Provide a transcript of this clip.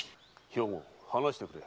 兵庫話してくれ。